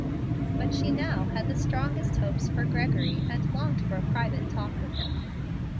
But she now had the strongest hopes for Gregory, and longed for a private talk with him.